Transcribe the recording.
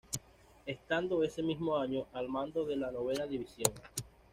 Estando ese mismo año al mando de la Novena División.